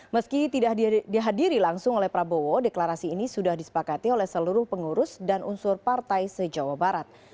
meski tidak dihadiri langsung oleh prabowo deklarasi ini sudah disepakati oleh seluruh pengurus dan unsur partai se jawa barat